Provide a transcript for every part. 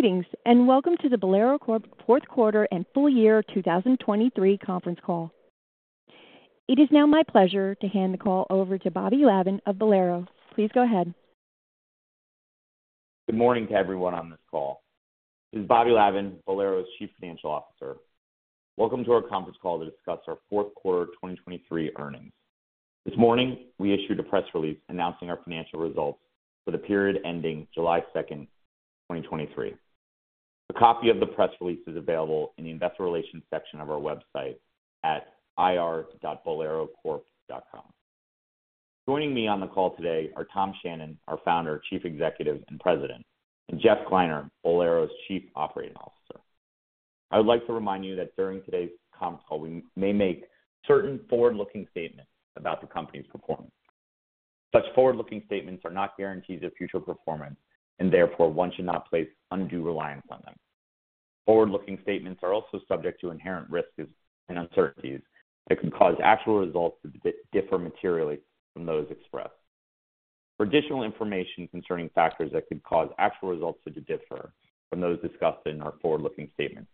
Greetings, and welcome to the Bowlero Corp Fourth Quarter and Full Year 2023 Conference Call. It is now my pleasure to hand the call over to Bobby Lavan of Bowlero. Please go ahead. Good morning to everyone on this call. This is Bobby Lavan, Bowlero's Chief Financial Officer. Welcome to our conference call to discuss our fourth quarter 2023 earnings. This morning, we issued a press release announcing our financial results for the period ending July 2, 2023. A copy of the press release is available in the Investor Relations section of our website at ir.bowlerocorp.com. Joining me on the call today are Tom Shannon, our Founder, Chief Executive, and President, and Jeff Kleiner, Bowlero's Chief Operating Officer. I would like to remind you that during today's conf call, we may make certain forward-looking statements about the Company's performance. Such forward-looking statements are not guarantees of future performance, and therefore, one should not place undue reliance on them. Forward-looking statements are also subject to inherent risks and uncertainties that can cause actual results to differ materially from those expressed. For additional information concerning factors that could cause actual results to differ from those discussed in our forward-looking statements,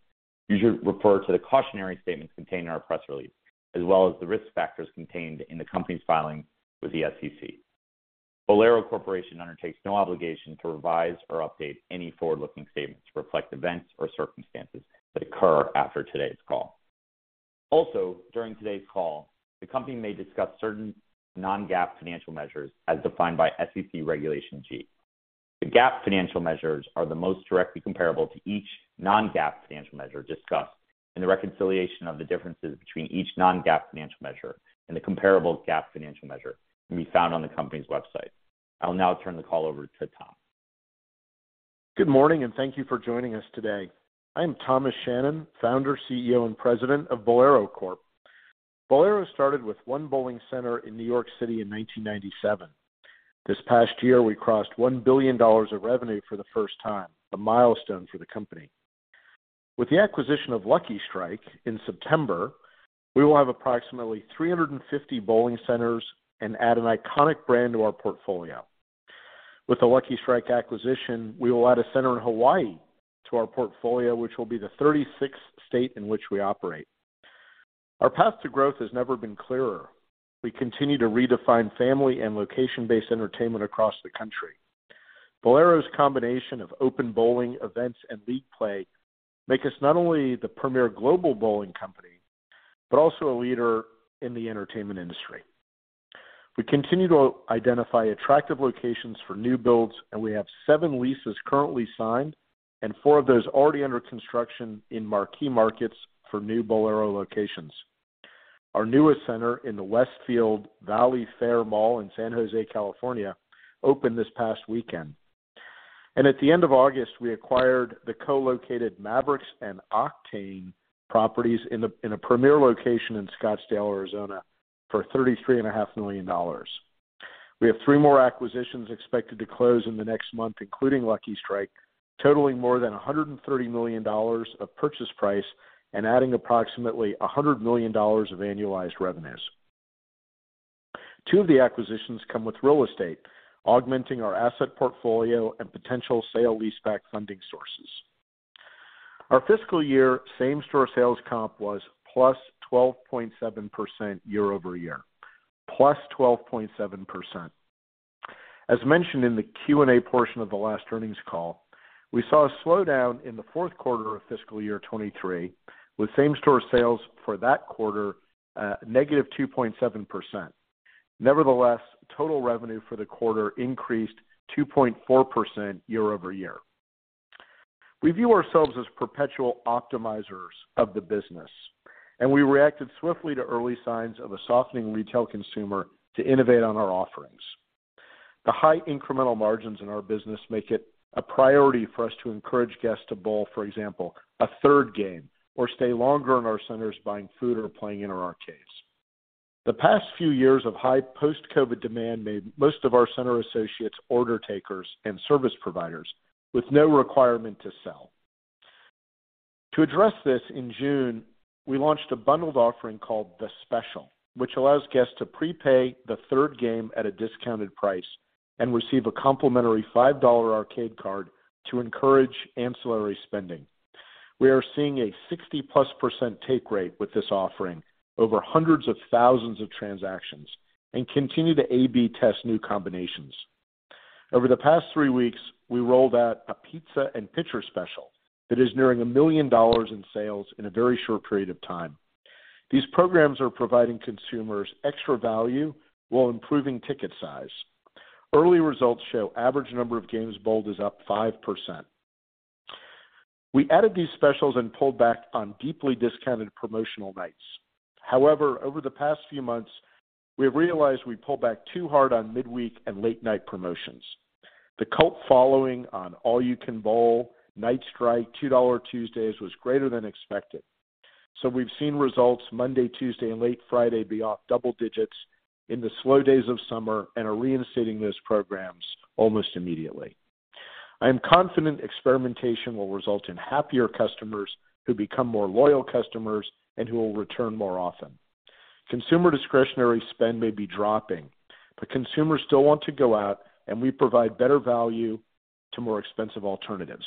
you should refer to the cautionary statements contained in our press release, as well as the risk factors contained in the Company's filings with the SEC. Bowlero Corporation undertakes no obligation to revise or update any forward-looking statements to reflect events or circumstances that occur after today's call. Also, during today's call, the Company may discuss certain non-GAAP financial measures as defined by SEC Regulation G. The GAAP financial measures are the most directly comparable to each non-GAAP financial measure discussed in the reconciliation of the differences between each non-GAAP financial measure, and the comparable GAAP financial measure can be found on the Company's website. I'll now turn the call over to Tom. Good morning, and thank you for joining us today. I'm Thomas Shannon, Founder, CEO, and President of Bowlero Corp. Bowlero started with one bowling center in New York City in 1997. This past year, we crossed $1 billion of revenue for the first time, a milestone for the company. With the acquisition of Lucky Strike in September, we will have approximately 350 bowling centers and add an iconic brand to our portfolio. With the Lucky Strike acquisition, we will add a center in Hawaii to our portfolio, which will be the 36th state in which we operate. Our path to growth has never been clearer. We continue to redefine family and location-based entertainment across the country. Bowlero's combination of open bowling events and league play make us not only the premier global bowling company, but also a leader in the entertainment industry. We continue to identify attractive locations for new builds, and we have seven leases currently signed and four of those already under construction in marquee markets for new Bowlero locations. Our newest center in the Westfield Valley Fair Mall in San Jose, California, opened this past weekend. At the end of August, we acquired the co-located Mavrix and Octane properties in a premier location in Scottsdale, Arizona, for $33.5 million. We have three more acquisitions expected to close in the next month, including Lucky Strike, totaling more than $130 million of purchase price and adding approximately $100 million of annualized revenues. Two of the acquisitions come with real estate, augmenting our asset portfolio and potential sale leaseback funding sources. Our fiscal year same-store sales comp was +12.7% year-over-year, +12.7%. As mentioned in the Q&A portion of the last earnings call, we saw a slowdown in the fourth quarter of fiscal year 2023, with same-store sales for that quarter, negative 2.7%. Nevertheless, total revenue for the quarter increased 2.4% year-over-year. We view ourselves as perpetual optimizers of the business, and we reacted swiftly to early signs of a softening retail consumer to innovate on our offerings. The high incremental margins in our business make it a priority for us to encourage guests to bowl, for example, a third game, or stay longer in our centers buying food or playing in our arcades. The past few years of high post-COVID demand made most of our center associates order takers and service providers, with no requirement to sell. To address this, in June, we launched a bundled offering called The Special, which allows guests to prepay the third game at a discounted price and receive a complimentary $5 arcade card to encourage ancillary spending. We are seeing a 60%+ take rate with this offering over hundreds of thousands of transactions and continue to A/B test new combinations. Over the past 3 weeks, we rolled out a pizza and pitcher special that is nearing $1 million in sales in a very short period of time. These programs are providing consumers extra value while improving ticket size. Early results show average number of games bowled is up 5%. We added these specials and pulled back on deeply discounted promotional nights. However, over the past few months, we realized we pulled back too hard on midweek and late-night promotions. The cult following on All You Can Bowl, Night Strike, Two Dollar Tuesdays was greater than expected. So we've seen results Monday, Tuesday, and late Friday be off double digits in the slow days of summer and are reinstating those programs almost immediately. I am confident experimentation will result in happier customers, who become more loyal customers and who will return more often. Consumer discretionary spend may be dropping, but consumers still want to go out, and we provide better value to more expensive alternatives.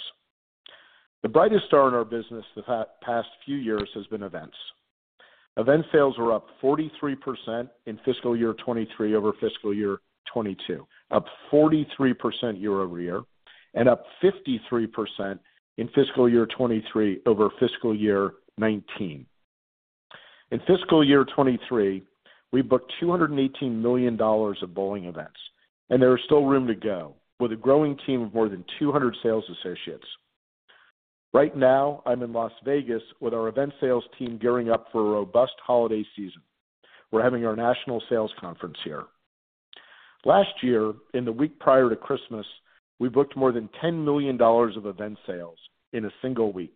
The brightest star in our business the past few years has been events. Event sales were up 43% in fiscal year 2023 over fiscal year 2022, up 43% year-over-year, and up 53% in fiscal year 2023 over fiscal year 2019. In fiscal year 2023, we booked $218 million of bowling events, and there is still room to go with a growing team of more than 200 sales associates. Right now, I'm in Las Vegas with our event sales team, gearing up for a robust holiday season. We're having our national sales conference here. Last year, in the week prior to Christmas, we booked more than $10 million of event sales in a single week.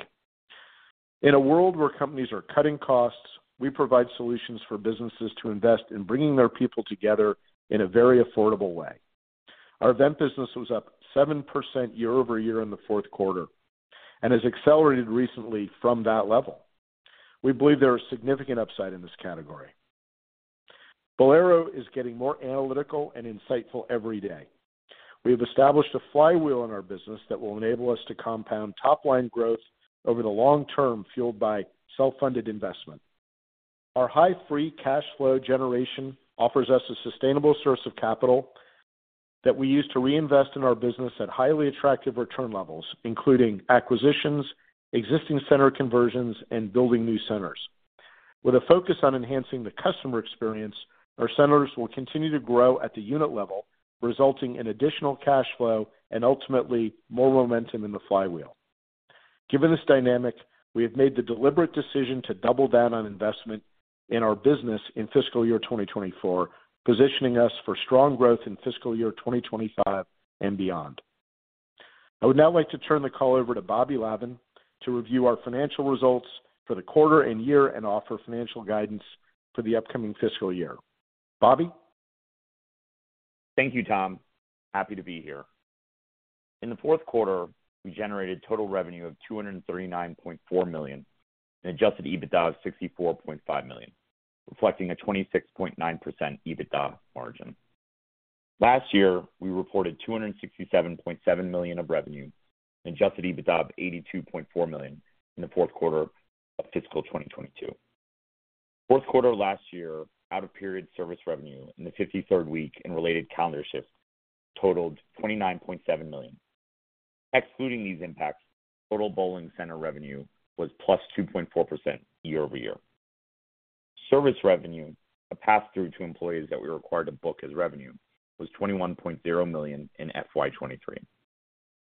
In a world where companies are cutting costs, we provide solutions for businesses to invest in bringing their people together in a very affordable way. Our event business was up 7% year-over-year in the fourth quarter and has accelerated recently from that level. We believe there is significant upside in this category. Bowlero is getting more analytical and insightful every day. We have established a flywheel in our business that will enable us to compound top-line growth over the long term, fueled by self-funded investment. Our high free cash flow generation offers us a sustainable source of capital that we use to reinvest in our business at highly attractive return levels, including acquisitions, existing center conversions, and building new centers. With a focus on enhancing the customer experience, our centers will continue to grow at the unit level, resulting in additional cash flow and ultimately more momentum in the flywheel. Given this dynamic, we have made the deliberate decision to double down on investment in our business in fiscal year 2024, positioning us for strong growth in fiscal year 2025 and beyond. I would now like to turn the call over to Bobby Lavan to review our financial results for the quarter and year and offer financial guidance for the upcoming fiscal year. Bobby? Thank you, Tom. Happy to be here. In the fourth quarter, we generated total revenue of $239.4 million and Adjusted EBITDA of $64.5 million, reflecting a 26.9% EBITDA margin. Last year, we reported $267.7 million of revenue and Adjusted EBITDA of $82.4 million in the fourth quarter of fiscal 2022. Fourth quarter last year, out-of-period Service revenue in the 53rd week and related calendar shifts totaled $29.7 million. Excluding these impacts, total bowling center revenue was +2.4% year-over-year. Service revenue, a pass-through to employees that we were required to book as revenue, was $21.0 million in FY 2023.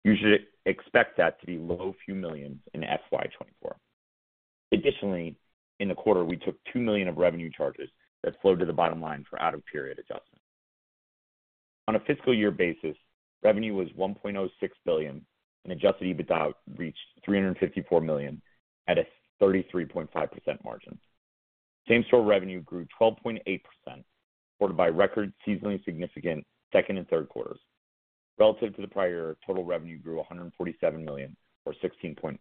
You should expect that to be low few millions in FY 2024. Additionally, in the quarter, we took $2 million of revenue charges that flowed to the bottom line for out-of-period adjustments. On a fiscal year basis, revenue was $1.06 billion, and Adjusted EBITDA reached $354 million at a 33.5% margin. Same-store revenue grew 12.8%, supported by record seasonally significant second and third quarters. Relative to the prior year, total revenue grew $147 million, or 16.1%.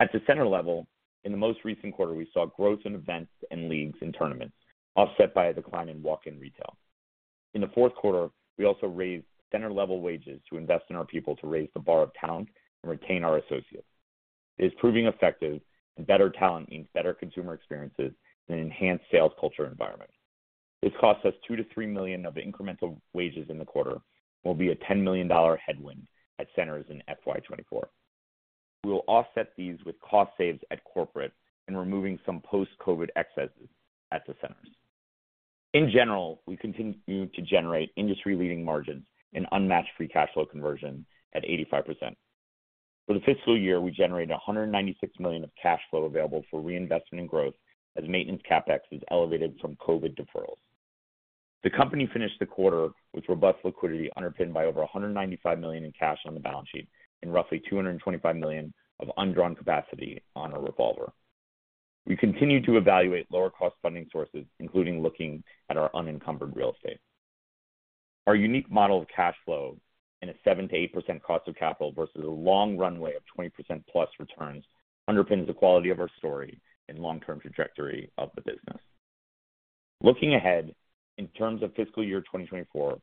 At the center level, in the most recent quarter, we saw growth in events and leagues and tournaments offset by a decline in walk-in retail. In the fourth quarter, we also raised center-level wages to invest in our people to raise the bar of talent and retain our associates. It is proving effective, and better talent means better consumer experiences and enhanced sales culture environment. This cost us $2-3 million of incremental wages in the quarter and will be a $10 million headwind at centers in FY 2024. We will offset these with cost saves at corporate and removing some post-COVID excesses at the centers. In general, we continue to generate industry-leading margins and unmatched free cash flow conversion at 85%. For the fiscal year, we generated $196 million of cash flow available for reinvestment in growth as maintenance CapEx is elevated from COVID deferrals. The company finished the quarter with robust liquidity, underpinned by over $195 million in cash on the balance sheet and roughly $225 million of undrawn capacity on our revolver. We continue to evaluate lower-cost funding sources, including looking at our unencumbered real estate. Our unique model of cash flow and a 7%-8% cost of capital versus a long runway of 20%+ returns underpins the quality of our story and long-term trajectory of the business. Looking ahead, in terms of fiscal year 2024,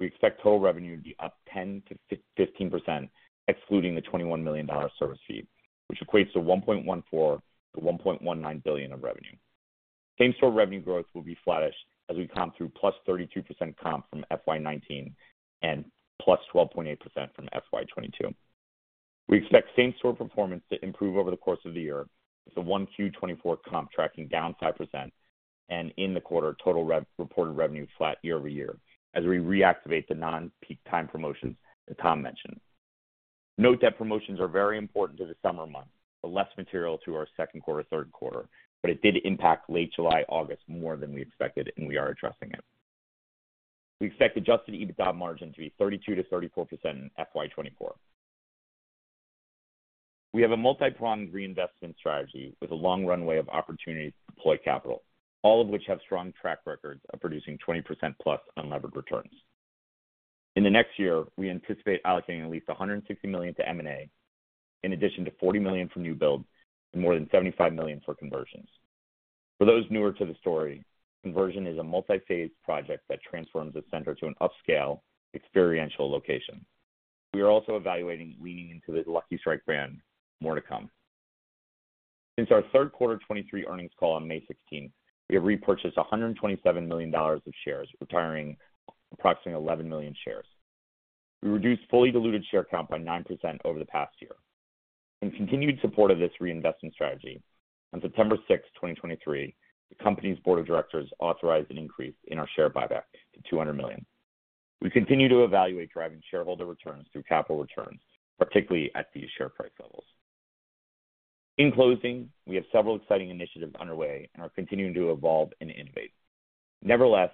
we expect total revenue to be up 10%-15%, excluding the $21 million service fee, which equates to $1.14 billion-$1.19 billion of revenue. Same-store revenue growth will be flattish as we come through +32% comp from FY 2019 and +12.8% from FY 2022. We expect same-store performance to improve over the course of the year, with the 1Q 2024 comp tracking down 5% and in the quarter, total reported revenue flat year-over-year as we reactivate the non-peak time promotions that Tom mentioned. Note that promotions are very important to the summer months, but less material to our second quarter, third quarter. But it did impact late July, August more than we expected, and we are addressing it. We expect Adjusted EBITDA margin to be 32%-34% in FY 2024. We have a multi-pronged reinvestment strategy with a long runway of opportunities to deploy capital, all of which have strong track records of producing 20%+ unlevered returns.... In the next year, we anticipate allocating at least $160 million to M&A, in addition to $40 million for new builds and more than $75 million for conversions. For those newer to the story, conversion is a multi-phase project that transforms the center to an upscale experiential location. We are also evaluating leaning into the Lucky Strike brand. More to come. Since our third quarter 2023 earnings call on May 16, we have repurchased $127 million of shares, retiring approximately 11 million shares. We reduced fully diluted share count by 9% over the past year. In continued support of this reinvestment strategy, on September 6, 2023, the company's board of directors authorized an increase in our share buyback to $200 million. We continue to evaluate driving shareholder returns through capital returns, particularly at these share price levels. In closing, we have several exciting initiatives underway and are continuing to evolve and innovate. Nevertheless,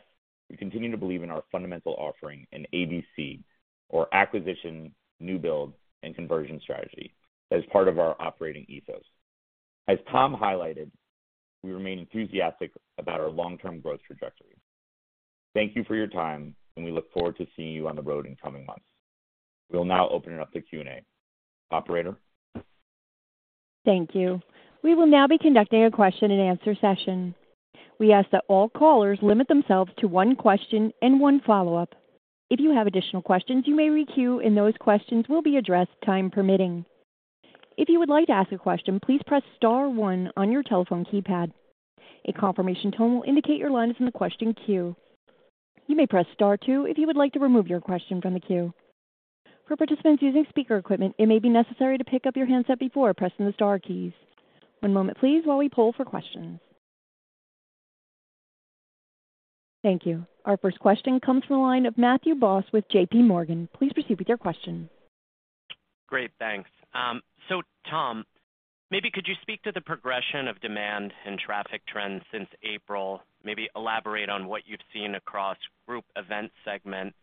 we continue to believe in our fundamental offering in ABC, or acquisition, new build, and conversion strategy, as part of our operating ethos. As Tom highlighted, we remain enthusiastic about our long-term growth trajectory. Thank you for your time, and we look forward to seeing you on the road in coming months. We'll now open it up to Q&A. Operator? Thank you. We will now be conducting a question-and-answer session. We ask that all callers limit themselves to one question and one follow-up. If you have additional questions, you may requeue, and those questions will be addressed, time permitting. If you would like to ask a question, please press star one on your telephone keypad. A confirmation tone will indicate your line is in the question queue. You may press star two if you would like to remove your question from the queue. For participants using speaker equipment, it may be necessary to pick up your handset before pressing the star keys. One moment please while we poll for questions. Thank you. Our first question comes from the line of Matthew Boss with JP Morgan. Please proceed with your question. Great, thanks. So Tom, maybe could you speak to the progression of demand and traffic trends since April? Maybe elaborate on what you've seen across group event segment,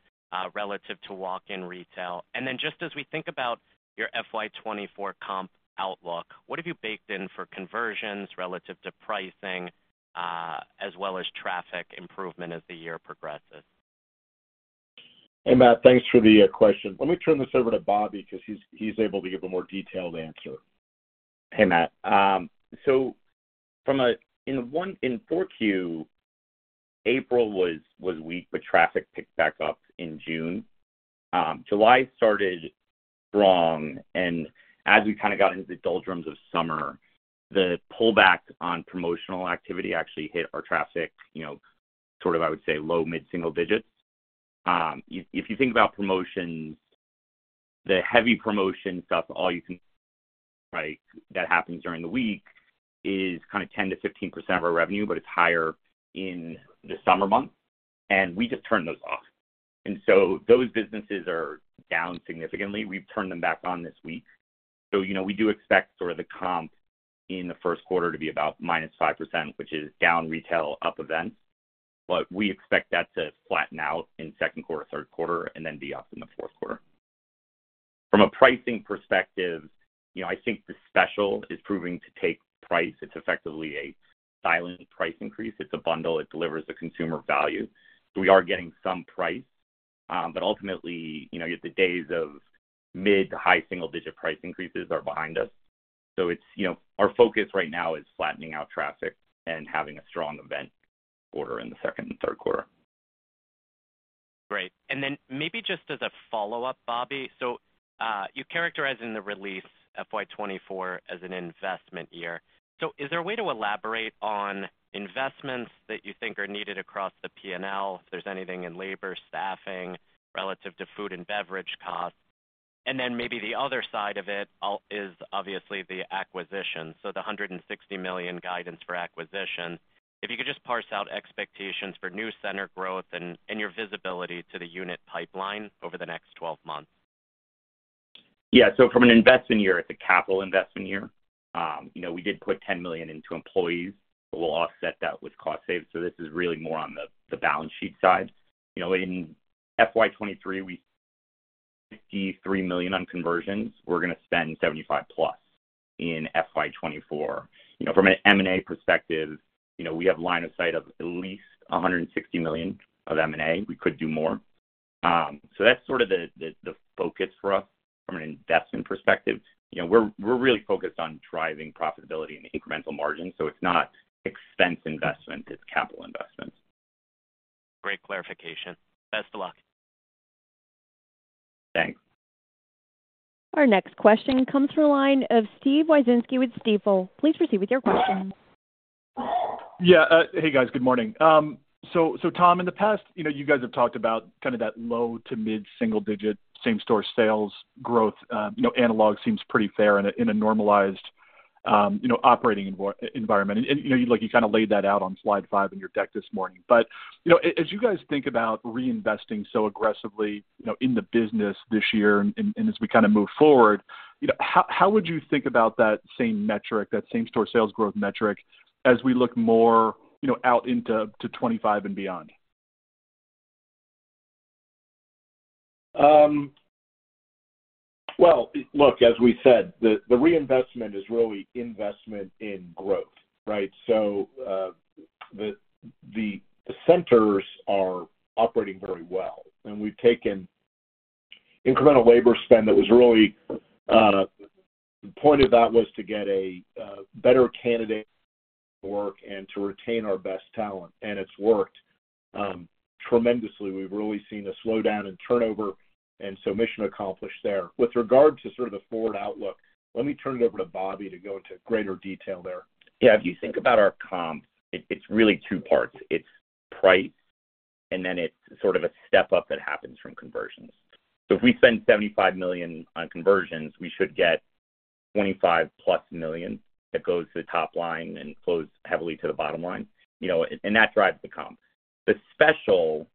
relative to walk-in retail. And then just as we think about your FY 2024 comp outlook, what have you baked in for conversions relative to pricing, as well as traffic improvement as the year progresses? Hey, Matt, thanks for the question. Let me turn this over to Bobby because he's, he's able to give a more detailed answer. Hey, Matt. So from a... in Q1, in Q4, April was weak, but traffic picked back up in June. July started strong, and as we kind of got into the doldrums of summer, the pullback on promotional activity actually hit our traffic, you know, sort of, I would say, low- to mid-single digits. If you think about promotions, the heavy promotion stuff, all you can, right, that happens during the week is kind of 10%-15% of our revenue, but it's higher in the summer months, and we just turn those off. So those businesses are down significantly. We've turned them back on this week. So, you know, we do expect sort of the comp in the first quarter to be about minus 5%, which is down retail, up events, but we expect that to flatten out in second quarter, third quarter, and then be up in the fourth quarter. From a pricing perspective, you know, I think the special is proving to take price. It's effectively a silent price increase. It's a bundle. It delivers the consumer value. So we are getting some price, but ultimately, you know, the days of mid- to high-single-digit price increases are behind us. So it's, you know, our focus right now is flattening out traffic and having a strong event quarter in the second and third quarter. Great. And then maybe just as a follow-up, Bobby, so, you characterized in the release FY 2024 as an investment year. So is there a way to elaborate on investments that you think are needed across the P&L, if there's anything in labor, staffing, relative to food and beverage costs? And then maybe the other side of it is obviously the acquisition, so the $160 million guidance for acquisition. If you could just parse out expectations for new center growth and, and your visibility to the unit pipeline over the next 12 months. Yeah. So from an investment year, it's a capital investment year. You know, we did put $10 million into employees. We'll offset that with cost saves. So this is really more on the balance sheet side. You know, in FY 2023, we $53 million on conversions. We're gonna spend $75+ in FY 2024. You know, from an M&A perspective, you know, we have line of sight of at least $160 million of M&A. We could do more. So that's sort of the focus for us from an investment perspective. You know, we're really focused on driving profitability and incremental margin, so it's not expense investment, it's capital investment. Great clarification. Best of luck. Thanks. Our next question comes from the line of Steve Wieczynski with Stifel. Please proceed with your question. Yeah, hey, guys. Good morning. So, so Tom, in the past, you know, you guys have talked about kind of that low to mid-single digit same-store sales growth. You know, analogy seems pretty fair in a normalized operating environment. And, you know, you kind of laid that out on slide 5 in your deck this morning. But, you know, as you guys think about reinvesting so aggressively, you know, in the business this year and, as we kind of move forward, you know, how would you think about that same metric, that same-store sales growth metric, as we look more, you know, out into 25 and beyond?... Well, look, as we said, the reinvestment is really investment in growth, right? So, the centers are operating very well, and we've taken incremental labor spend that was really the point of that was to get a better candidate work and to retain our best talent, and it's worked tremendously. We've really seen a slowdown in turnover, and so mission accomplished there. With regard to sort of the forward outlook, let me turn it over to Bobby to go into greater detail there. Yeah, if you think about our comp, it, it's really two parts. It's price, and then it's sort of a step up that happens from conversions. So if we spend $75 million on conversions, we should get $25+ million that goes to the top line and flows heavily to the bottom line, you know, and that drives the comp. The Special,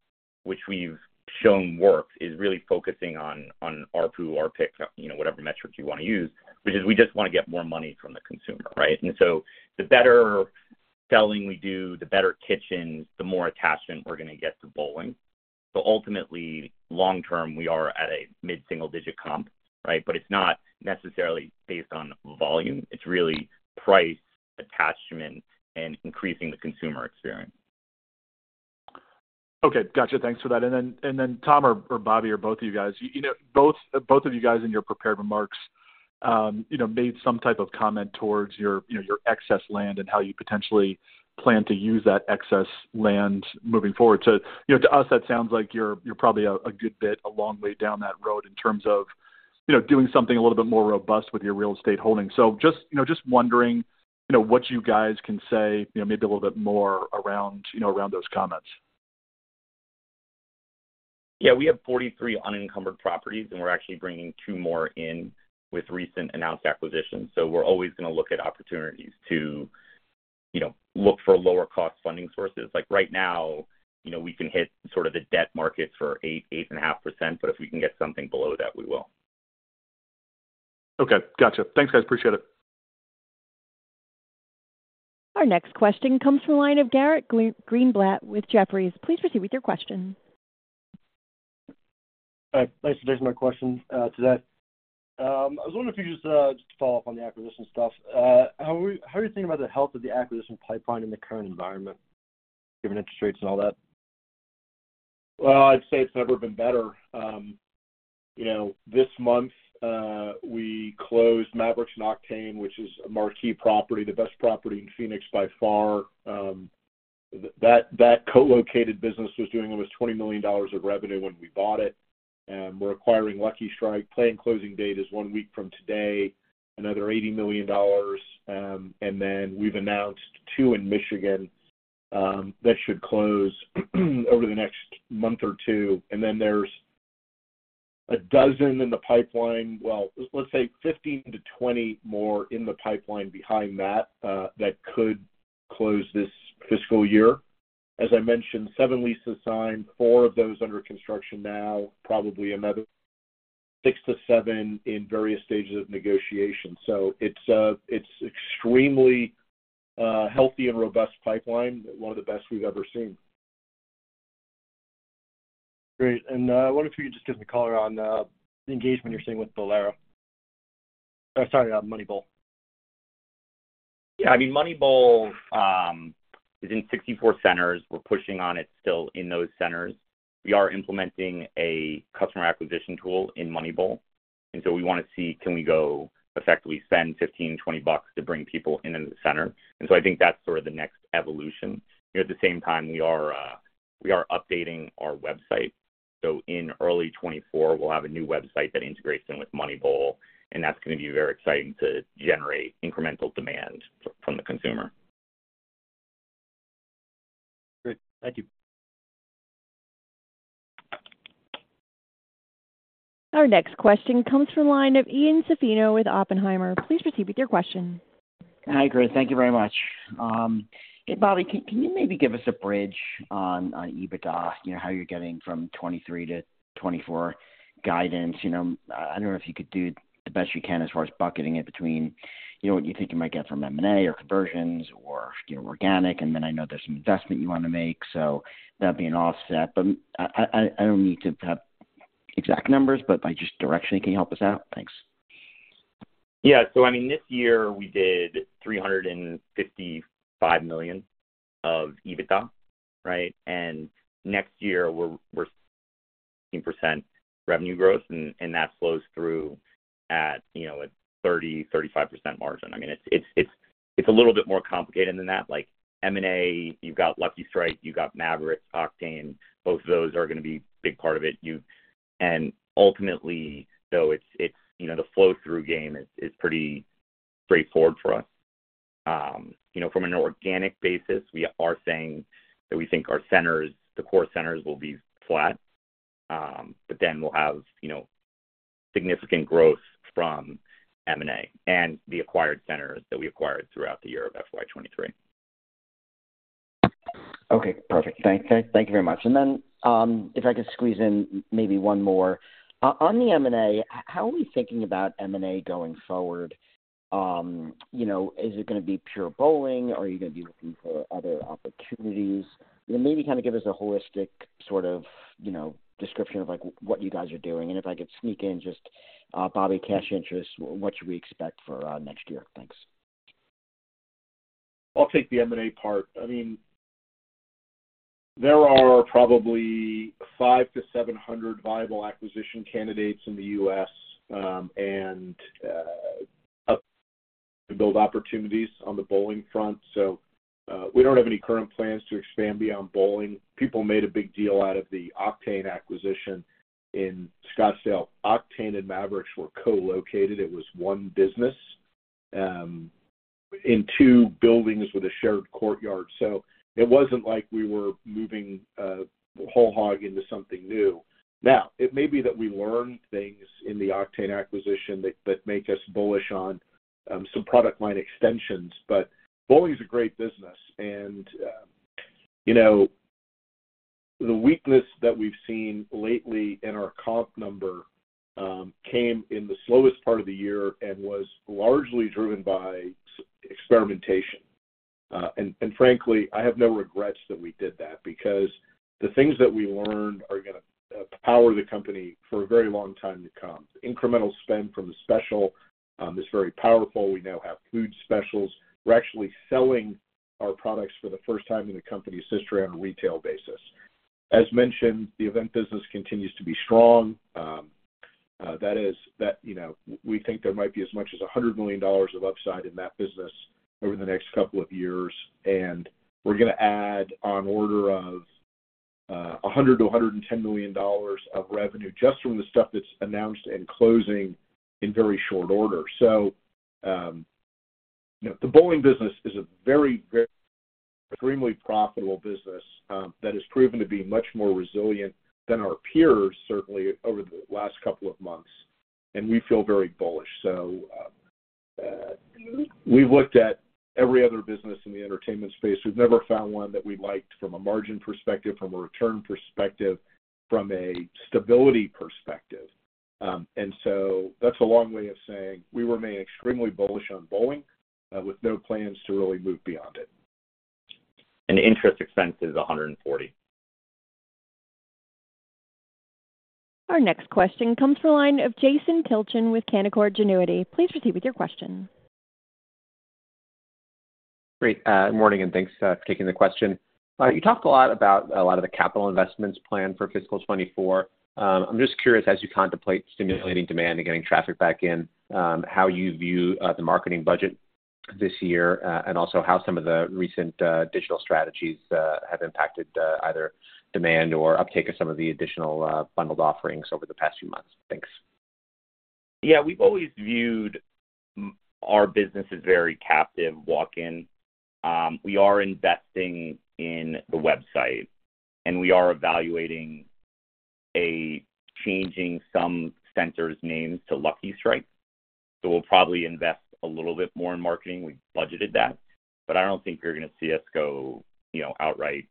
which we've shown works, is really focusing on, on ARPU, RPIC, you know, whatever metric you want to use, which is we just want to get more money from the consumer, right? And so the better selling we do, the better kitchens, the more attachment we're going to get to bowling. So ultimately, long term, we are at a mid-single-digit comp, right? But it's not necessarily based on volume. It's really price, attachment, and increasing the consumer experience. Okay, gotcha. Thanks for that. And then, and then, Tom or, or Bobby or both of you guys, you know, both, both of you guys in your prepared remarks, you know, made some type of comment towards your, you know, your excess land and how you potentially plan to use that excess land moving forward. So, you know, to us, that sounds like you're, you're probably a, a good bit, a long way down that road in terms of, you know, doing something a little bit more robust with your real estate holdings. So just, you know, just wondering, you know, what you guys can say, you know, maybe a little bit more around, you know, around those comments. Yeah, we have 43 unencumbered properties, and we're actually bringing 2 more in with recent announced acquisitions. So we're always going to look at opportunities to, you know, look for lower-cost funding sources. Like, right now, you know, we can hit sort of the debt markets for 8%-8.5%, but if we can get something below that, we will. Okay, gotcha. Thanks, guys, appreciate it. Our next question comes from the line of Garrett Greenblatt with Jefferies. Please proceed with your question. Hi, thanks for taking my question today. I was wondering if you could just just follow up on the acquisition stuff. How are you thinking about the health of the acquisition pipeline in the current environment, given interest rates and all that? Well, I'd say it's never been better. You know, this month, we closed Mavrix and Octane, which is a marquee property, the best property in Phoenix by far. That co-located business was doing almost $20 million of revenue when we bought it, and we're acquiring Lucky Strike. Planned closing date is one week from today, another $80 million, and then we've announced 2 in Michigan that should close over the next month or two. And then there's a dozen in the pipeline. Well, let's say 15-20 more in the pipeline behind that that could close this fiscal year. As I mentioned, 7 leases signed, 4 of those under construction now, probably another 6-7 in various stages of negotiation. So it's extremely healthy and robust pipeline, one of the best we've ever seen. Great. I wonder if you could just give me a color on the engagement you're seeing with Bowlero. Sorry, on MoneyBowl. Yeah, I mean, MoneyBowl is in 64 centers. We're pushing on it still in those centers. We are implementing a customer acquisition tool in MoneyBowl, and so we want to see, can we effectively spend $15, $20 to bring people into the center? And so I think that's sort of the next evolution. At the same time, we are updating our website. So in early 2024, we'll have a new website that integrates in with MoneyBowl, and that's going to be very exciting to generate incremental demand from the consumer. Great. Thank you. Our next question comes from the line of Ian Zaffino with Oppenheimer. Please proceed with your question. Hi, great. Thank you very much. Hey, Bobby, can you maybe give us a bridge on EBITDA? You know, how you're getting from 2023 to 2024 guidance. You know, I wonder if you could do the best you can as far as bucketing it between, you know, what you think you might get from M&A or conversions or, you know, organic. And then I know there's some investment you want to make, so that'd be an offset. But I don't need to have exact numbers, but by just direction, can you help us out? Thanks. Yeah. So I mean, this year we did $355 million of EBITDA, right? And next year, we're percent revenue growth, and that flows through at, you know, a 30%-35% margin. I mean, it's a little bit more complicated than that. Like, M&A, you've got Lucky Strike, you've got Mavrix, Octane. Both of those are going to be a big part of it. And ultimately, though, it's you know, the flow-through game is pretty straightforward for us. You know, from an organic basis, we are saying that we think our centers, the core centers will be flat, but then we'll have, you know, significant growth from M&A and the acquired centers that we acquired throughout the year of FY 2023. Okay, perfect. Thank you very much. And then, if I could squeeze in maybe one more. On the M&A, how are we thinking about M&A going forward?... You know, is it gonna be pure bowling, or are you gonna be looking for other opportunities? And maybe kind of give us a holistic sort of, you know, description of, like, what you guys are doing. And if I could sneak in just, Bobby, cash interest, what should we expect for, next year? Thanks. I'll take the M&A part. I mean, there are probably 500-700 viable acquisition candidates in the U.S., and up to build opportunities on the bowling front. So, we don't have any current plans to expand beyond bowling. People made a big deal out of the Octane acquisition in Scottsdale. Octane and Mavrix were co-located. It was one business, in two buildings with a shared courtyard, so it wasn't like we were moving whole hog into something new. Now, it may be that we learned things in the Octane acquisition that make us bullish on some product line extensions, but bowling's a great business. And, you know, the weakness that we've seen lately in our comp number came in the slowest part of the year and was largely driven by experimentation. Frankly, I have no regrets that we did that, because the things that we learned are gonna power the company for a very long time to come. Incremental spend from the Special is very powerful. We now have food specials. We're actually selling our products for the first time in the company's history on a retail basis. As mentioned, the event business continues to be strong, you know. We think there might be as much as $100 million of upside in that business over the next couple of years, and we're gonna add on order of $100-$110 million of revenue just from the stuff that's announced and closing in very short order. So, you know, the bowling business is a very, very extremely profitable business that has proven to be much more resilient than our peers, certainly over the last couple of months, and we feel very bullish. So, we've looked at every other business in the entertainment space. We've never found one that we liked from a margin perspective, from a return perspective, from a stability perspective. And so that's a long way of saying we remain extremely bullish on bowling, with no plans to really move beyond it. Interest expense is $140. Our next question comes from the line of Jason Kilquin with Canaccord Genuity. Please proceed with your question. Great. Good morning, and thanks for taking the question. You talked a lot about a lot of the capital investments planned for fiscal 2024. I'm just curious, as you contemplate stimulating demand and getting traffic back in, how you view the marketing budget this year, and also how some of the recent digital strategies have impacted either demand or uptake of some of the additional bundled offerings over the past few months. Thanks. Yeah, we've always viewed our business as very captive walk-in. We are investing in the website, and we are evaluating a changing some centers' names to Lucky Strike. So we'll probably invest a little bit more in marketing. We budgeted that, but I don't think you're gonna see us go, you know, outright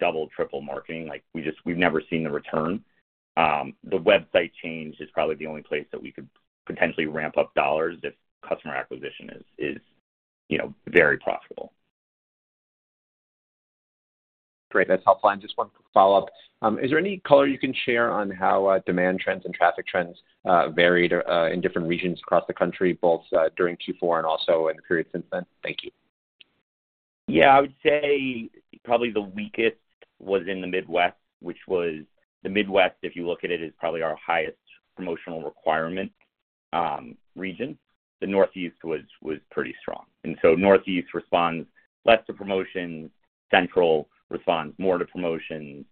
double, triple marketing. Like, we just- we've never seen the return. The website change is probably the only place that we could potentially ramp up dollars if customer acquisition is, you know, very profitable. Great, that's helpful. Just one follow-up. Is there any color you can share on how demand trends and traffic trends varied in different regions across the country, both during Q4 and also in the period since then? Thank you. Yeah, I would say probably the weakest was in the Midwest. The Midwest, if you look at it, is probably our highest promotional requirement region. The Northeast was pretty strong. And so Northeast responds less to promotions; Central responds more to promotions.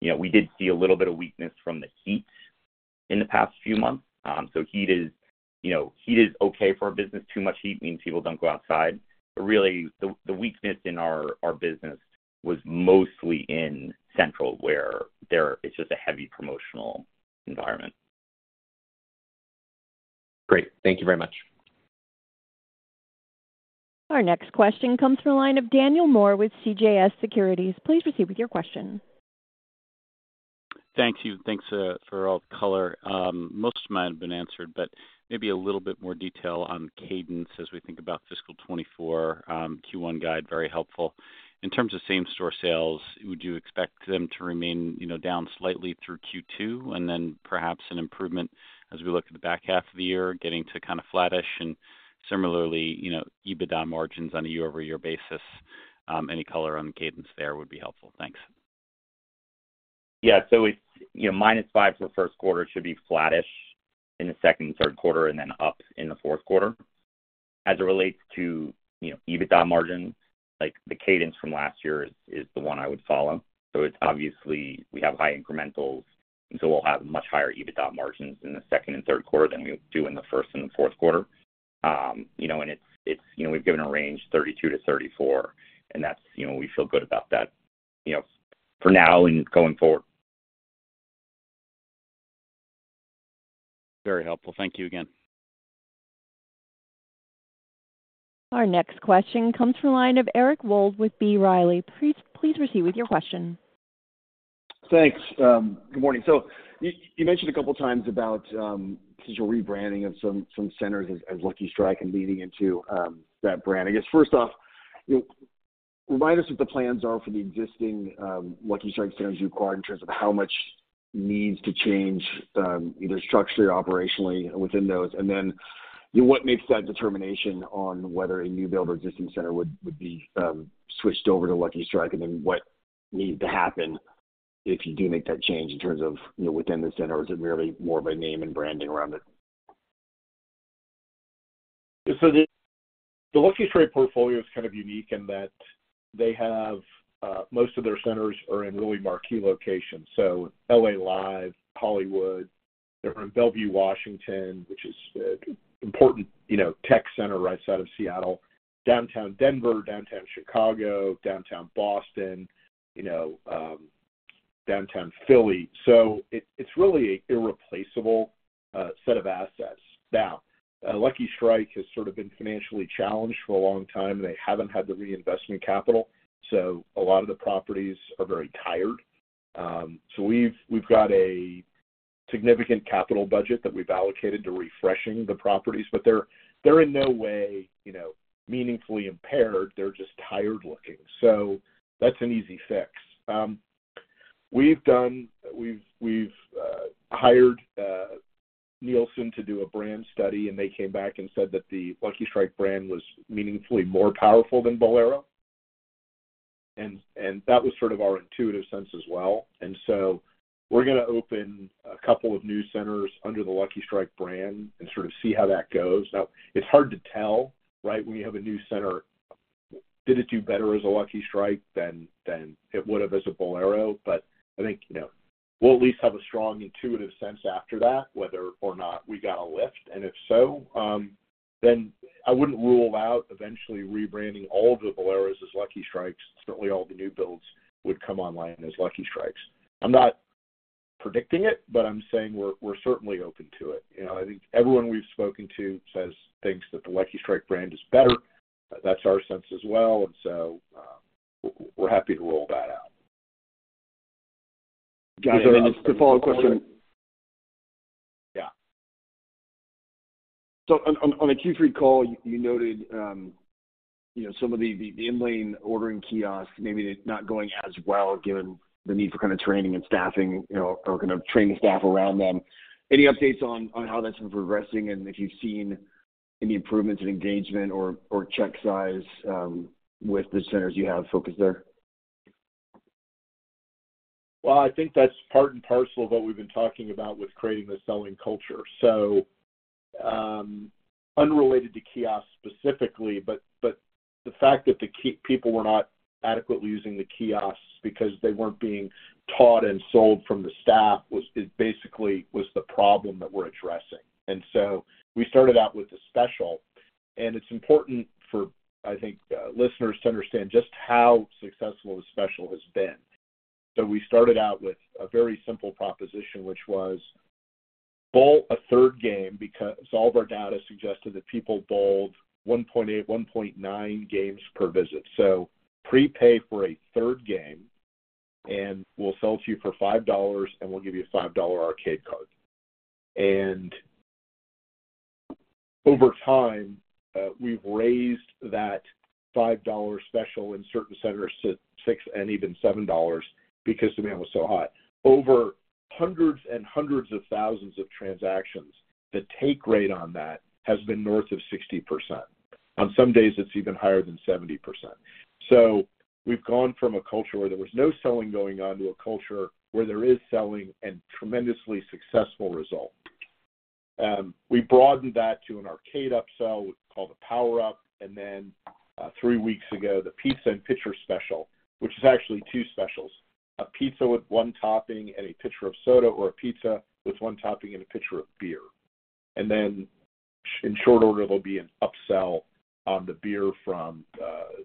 You know, we did see a little bit of weakness from the heat in the past few months. So heat is, you know, heat is okay for business. Too much heat means people don't go outside. But really, the weakness in our business was mostly in Central, where there is just a heavy promotional environment. Great. Thank you very much. Our next question comes from the line of Daniel Moore with CJS Securities. Please proceed with your question. Thank you. Thanks for all the color. Most of mine have been answered, but maybe a little bit more detail on cadence as we think about fiscal 2024. Q1 guide, very helpful. In terms of same-store sales, would you expect them to remain, you know, down slightly through Q2 and then perhaps an improvement as we look at the back half of the year, getting to kind of flattish? And similarly, you know, EBITDA margins on a year-over-year basis, any color on the cadence there would be helpful. Thanks. Yeah. So it's, you know, -5 for the first quarter, should be flattish in the second and third quarter, and then up in the fourth quarter. As it relates to, you know, EBITDA margins, like, the cadence from last year is the one I would follow. So it's obviously, we have high incrementals, and so we'll have much higher EBITDA margins in the second and third quarter than we do in the first and the fourth quarter. You know, and it's. You know, we've given a range, 32-34, and that's, you know, we feel good about that, you know, for now and going forward. Very helpful. Thank you again. Our next question comes from the line of Eric Wold with B. Riley. Please, please proceed with your question.... Thanks. Good morning. So you mentioned a couple times about since you're rebranding of some centers as Lucky Strike and leading into that brand. I guess, first off, you know, remind us what the plans are for the existing Lucky Strike centers you acquired, in terms of how much needs to change either structurally or operationally within those? And then, what makes that determination on whether a new build or existing center would be switched over to Lucky Strike? And then what needs to happen if you do make that change, in terms of, you know, within the center, or is it really more of a name and branding around it? So the Lucky Strike portfolio is kind of unique in that they have, most of their centers are in really marquee locations, so LA Live, Hollywood. They're in Bellevue, Washington, which is an important, you know, tech center right side of Seattle, downtown Denver, downtown Chicago, downtown Boston, you know, downtown Philly. So it's really an irreplaceable set of assets. Now, Lucky Strike has sort of been financially challenged for a long time. They haven't had the reinvestment capital, so a lot of the properties are very tired. So we've got a significant capital budget that we've allocated to refreshing the properties, but they're in no way, you know, meaningfully impaired. They're just tired looking. So that's an easy fix. We've done... We've hired Nielsen to do a brand study, and they came back and said that the Lucky Strike brand was meaningfully more powerful than Bowlero. And that was sort of our intuitive sense as well. And so we're gonna open a couple of new centers under the Lucky Strike brand and sort of see how that goes. Now, it's hard to tell, right, when you have a new center, did it do better as a Lucky Strike than it would've as a Bowlero? But I think, you know, we'll at least have a strong intuitive sense after that, whether or not we got a lift, and if so, then I wouldn't rule out eventually rebranding all of the Bowleros as Lucky Strikes. Certainly, all the new builds would come online as Lucky Strikes. I'm not predicting it, but I'm saying we're certainly open to it. You know, I think everyone we've spoken to says, thinks that the Lucky Strike brand is better. That's our sense as well, and so, we're happy to roll that out. Got it. And then the follow-up question- Yeah. So on the Q3 call, you noted, you know, some of the in-lane ordering kiosks, maybe they're not going as well, given the need for kind of training and staffing, you know, or kind of training staff around them. Any updates on how that's been progressing and if you've seen any improvements in engagement or check size with the centers you have focused there? Well, I think that's part and parcel of what we've been talking about with creating the selling culture. So, unrelated to kiosks specifically, but, but the fact that the people were not adequately using the kiosks because they weren't being taught and sold from the staff was, it basically was the problem that we're addressing. And so we started out with a special, and it's important for, I think, listeners to understand just how successful the special has been. So we started out with a very simple proposition, which was bowl a third game, because all of our data suggested that people bowled 1.8, 1.9 games per visit. So prepay for a third game, and we'll sell it to you for $5, and we'll give you a $5 arcade card. Over time, we've raised that $5 special in certain centers to $6 and even $7 because demand was so hot. Over hundreds and hundreds of thousands of transactions, the take rate on that has been north of 60%. On some days, it's even higher than 70%. So we've gone from a culture where there was no selling going on, to a culture where there is selling and tremendously successful result. We broadened that to an arcade upsell called the Power Up, and then, three weeks ago, the pizza and pitcher special, which is actually two specials, a pizza with one topping and a pitcher of soda, or a pizza with one topping and a pitcher of beer. And then, in short order, there'll be an upsell on the beer from,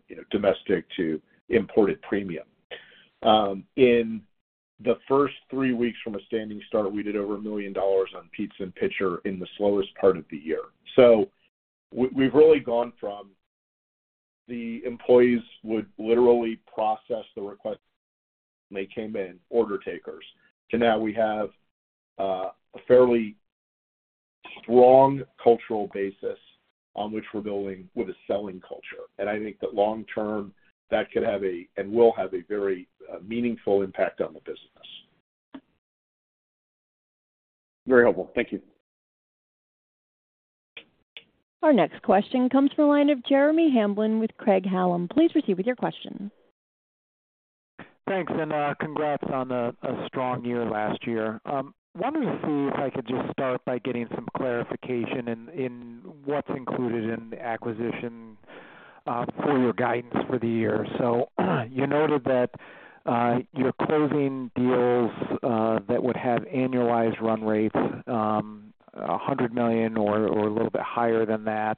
you know, domestic to imported premium. In the first three weeks from a standing start, we did over $1 million on pizza and pitcher in the slowest part of the year. So we've really gone from, the employees would literally process the request when they came in, order takers, to now we have a fairly strong cultural basis on which we're building with a selling culture. And I think that long term, that could have a and will have a very meaningful impact on the business. Very helpful. Thank you. Our next question comes from the line of Jeremy Hamblin with Craig-Hallum. Please proceed with your question. Thanks, and congrats on a strong year last year. Wanted to see if I could just start by getting some clarification in what's included in the acquisition for your guidance for the year. So, you noted that you're closing deals that would have annualized run rates $100 million or a little bit higher than that,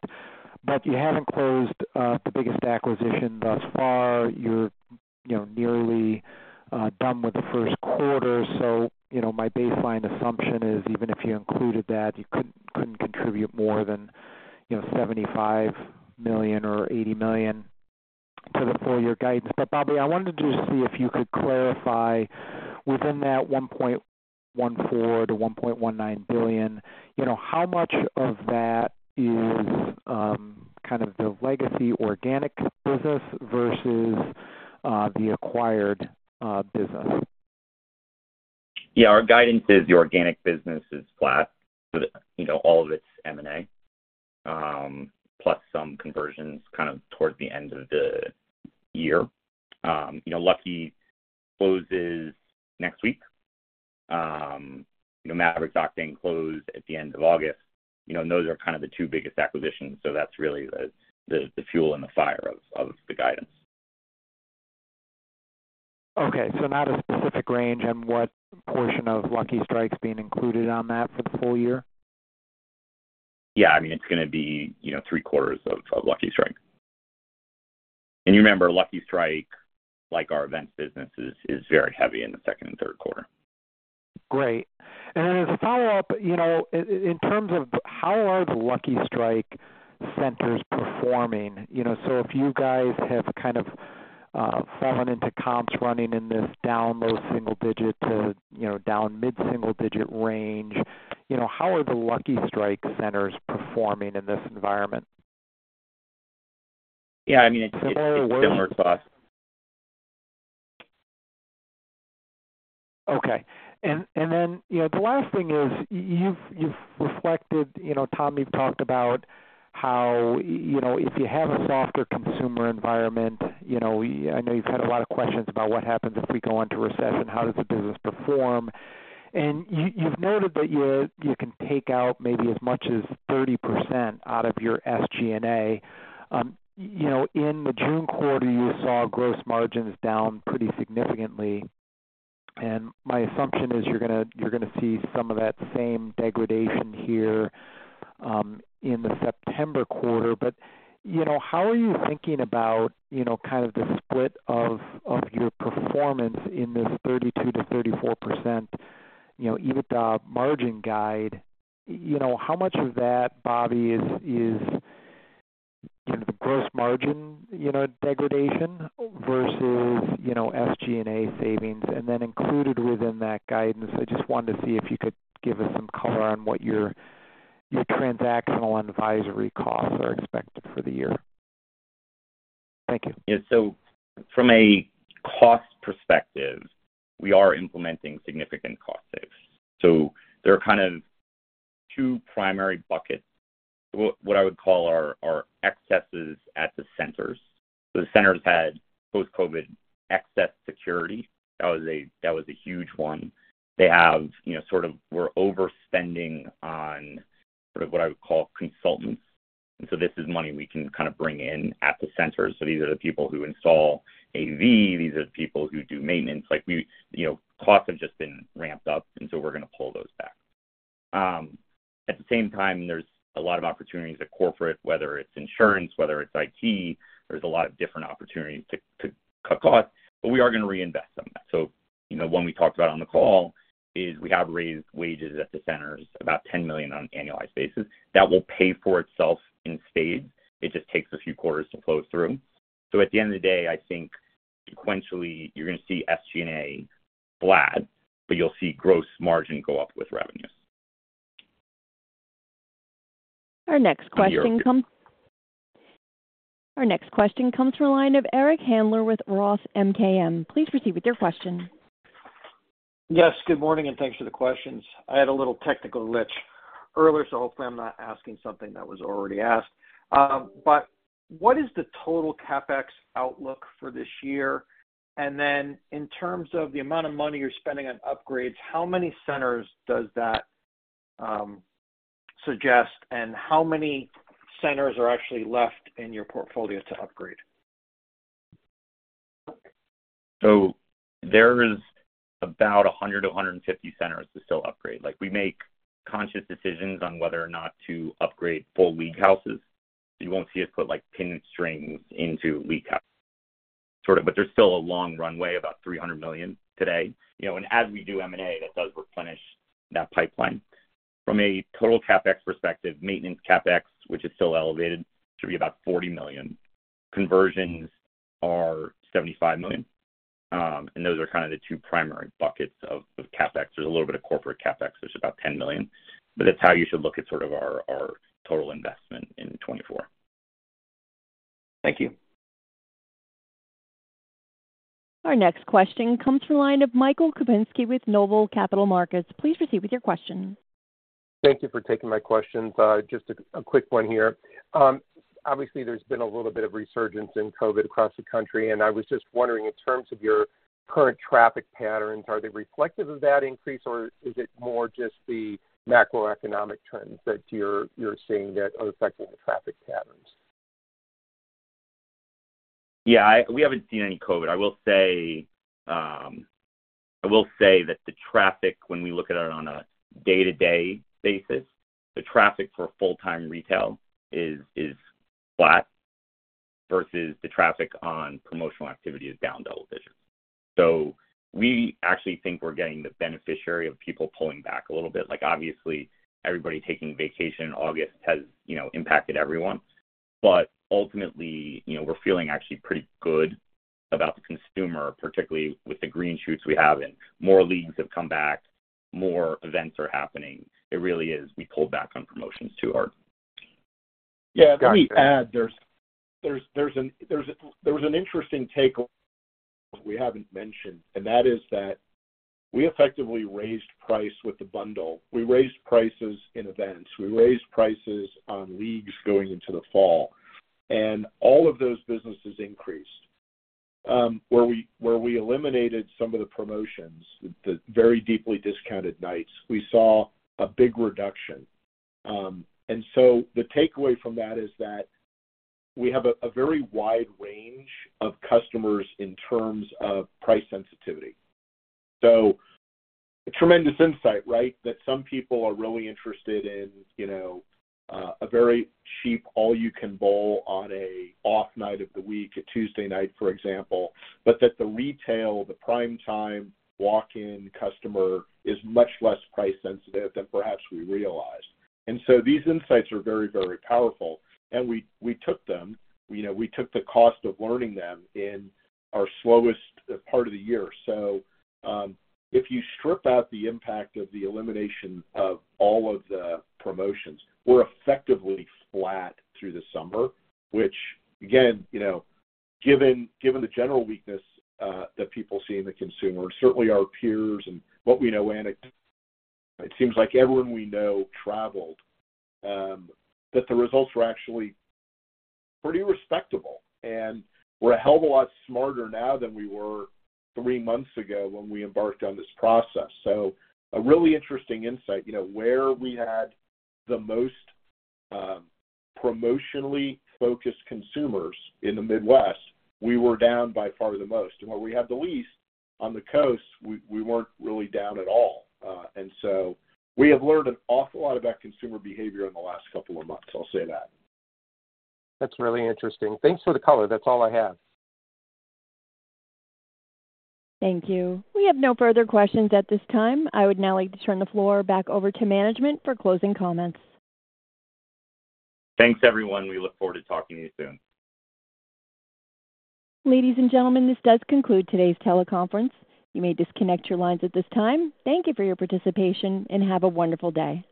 but you haven't closed the biggest acquisition thus far. You're, you know, nearly done with the first quarter. So, you know, my baseline assumption is, even if you included that, you couldn't contribute more than, you know, $75 million or $80 million to the full year guidance. But Bobby, I wanted to just see if you could clarify within that $1.14 billion-$1.19 billion, you know, how much of that is, kind of the legacy organic business versus, the acquired business? Yeah, our guidance is the organic business is flat. You know, all of it's M&A, plus some conversions kind of towards the end of the year. You know, Lucky closes next week. You know, Mavrix Octane closed at the end of August. You know, those are kind of the two biggest acquisitions. So that's really the fuel and the fire of the guidance. Okay. So not a specific range on what portion of Lucky Strike is being included on that for the full year? Yeah, I mean, it's gonna be, you know, 3 quarters of, of Lucky Strike. And you remember, Lucky Strike, like our events business, is, is very heavy in the second and third quarter. Great. And then as a follow-up, you know, in terms of how are the Lucky Strike centers performing? You know, so if you guys have kind of fallen into comps running in this down low single-digit to, you know, down mid-single-digit range, you know, how are the Lucky Strike centers performing in this environment? Yeah, I mean, it's still across. Okay. And then, you know, the last thing is, you've reflected, you know, Tom, you've talked about how, you know, if you have a softer consumer environment, you know, I know you've had a lot of questions about what happens if we go into recession, how does the business perform? And you've noted that you can take out maybe as much as 30% out of your SG&A. You know, in the June quarter, you saw gross margins down pretty significantly, and my assumption is you're gonna see some of that same degradation here in the September quarter. But, you know, how are you thinking about, you know, kind of the split of your performance in this 32%-34%, you know, EBITDA margin guide? You know, how much of that, Bobby, is kind of the gross margin, you know, degradation versus, you know, SG&A savings? Then included within that guidance, I just wanted to see if you could give us some color on what your transactional and advisory costs are expected for the year. Thank you. Yeah. So from a cost perspective, we are implementing significant cost saves. So there are kind of two primary buckets, what I would call our, our excesses at the centers. The centers had post-COVID excess security. That was a, that was a huge one. They have, you know, sort of... We're overspending on sort of what I would call consultants. And so this is money we can kind of bring in at the center. So these are the people who install AV, these are the people who do maintenance. Like, we, you know, costs have just been ramped up, and so we're going to pull those back. At the same time, there's a lot of opportunities at corporate, whether it's insurance, whether it's IT, there's a lot of different opportunities to, to cut costs, but we are going to reinvest some of that. So, you know, one we talked about on the call is we have raised wages at the centers, about $10 million on an annualized basis. That will pay for itself in spades. It just takes a few quarters to flow through. So at the end of the day, I think sequentially, you're going to see SG&A flat, but you'll see gross margin go up with revenues. Our next question comes from the line of Eric Handler with Roth MKM. Please proceed with your question. Yes, good morning, and thanks for the questions. I had a little technical glitch earlier, so hopefully I'm not asking something that was already asked. But what is the total CapEx outlook for this year? And then, in terms of the amount of money you're spending on upgrades, how many centers does that suggest, and how many centers are actually left in your portfolio to upgrade? There is about 100-150 centers to still upgrade. Like, we make conscious decisions on whether or not to upgrade full league houses. You won't see us put, like, pin strings into league houses, sort of, but there's still a long runway, about $300 million today. You know, and as we do M&A, that does replenish that pipeline. From a total CapEx perspective, maintenance CapEx, which is still elevated, should be about $40 million. Conversions are $75 million. And those are kind of the two primary buckets of CapEx. There's a little bit of corporate CapEx, which is about $10 million, but that's how you should look at sort of our total investment in 2024. Thank you. Our next question comes from the line of Michael Kupinski with Noble Capital Markets. Please proceed with your question. Thank you for taking my questions. Just a quick one here. Obviously, there's been a little bit of resurgence in COVID across the country, and I was just wondering, in terms of your current traffic patterns, are they reflective of that increase, or is it more just the macroeconomic trends that you're seeing that are affecting the traffic patterns? Yeah, we haven't seen any COVID. I will say that the traffic, when we look at it on a day-to-day basis, the traffic for full-time retail is flat versus the traffic on promotional activity is down double digits. So we actually think we're getting the beneficiary of people pulling back a little bit. Like, obviously, everybody taking vacation in August has, you know, impacted everyone. But ultimately, you know, we're feeling actually pretty good about the consumer, particularly with the green shoots we have, and more leagues have come back, more events are happening. It really is, we pulled back on promotions to our- Yeah, let me add, there's an interesting take we haven't mentioned, and that is that we effectively raised price with the bundle. We raised prices in events, we raised prices on leagues going into the fall, and all of those businesses increased. Where we eliminated some of the promotions, the very deeply discounted nights, we saw a big reduction. The takeaway from that is that we have a very wide range of customers in terms of price sensitivity. So a tremendous insight, right? That some people are really interested in, you know, a very cheap All You Can Bowl on an off night of the week, a Tuesday night, for example, but that the retail, the prime time walk-in customer is much less price sensitive than perhaps we realized. These insights are very, very powerful, and we took them, you know. We took the cost of learning them in our slowest part of the year. So, if you strip out the impact of the elimination of all of the promotions, we're effectively flat through the summer, which again, you know, given the general weakness that people see in the consumer, certainly our peers and what we know, and it seems like everyone we know traveled, that the results were actually pretty respectable. We're a hell of a lot smarter now than we were three months ago when we embarked on this process. So a really interesting insight, you know, where we had the most promotionally focused consumers in the Midwest, we were down by far the most. Where we had the least, on the coast, we weren't really down at all. And so we have learned an awful lot about consumer behavior in the last couple of months, I'll say that. That's really interesting. Thanks for the color. That's all I have. Thank you. We have no further questions at this time. I would now like to turn the floor back over to management for closing comments. Thanks, everyone. We look forward to talking to you soon. Ladies and gentlemen, this does conclude today's teleconference. You may disconnect your lines at this time. Thank you for your participation, and have a wonderful day.